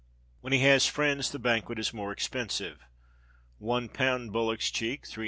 When he has friends, the banquet is more expensive: 1 lb. bullock's cheek (3½d.)